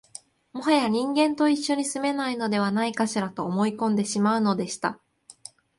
もはや人間と一緒に住めないのではないかしら、と思い込んでしまうのでした